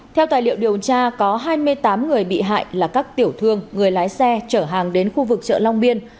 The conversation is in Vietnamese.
theo tài liệu điều tra có hai mươi tám người bị hại là các tiểu thương người lái xe chở hàng đến khu vực chợ long biên